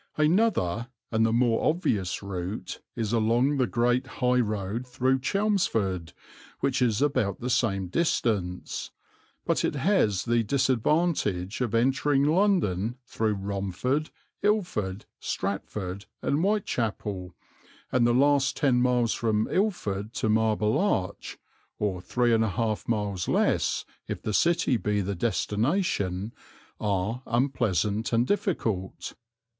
Another, and the more obvious route is along the great high road through Chelmsford, which is about the same distance; but it has the disadvantage of entering London through Romford, Ilford, Stratford, and Whitechapel, and the last ten miles from Ilford to Marble Arch, or 3 1/2 miles less if the City be the destination, are unpleasant and difficult.